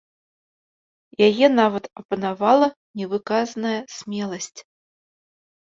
Яе нават апанавала невыказная смеласць.